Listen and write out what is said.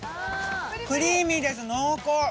クリーミーです、濃厚。